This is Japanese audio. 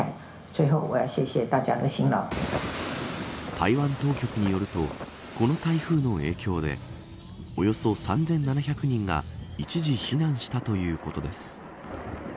台湾当局によるとこの台風の影響でおよそ３７００人が一時避難したということです。